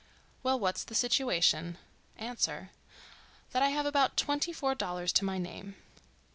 —Well—what's the situation? Answer.—That I have about twenty four dollars to my name.